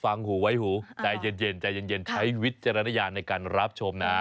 ฝังหูไว้หูใจเย็นใช้วิทยารณญาณในการรับชมนะ